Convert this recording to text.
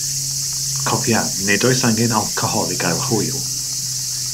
Cofia, nid oes angen alcohol i gael hwyl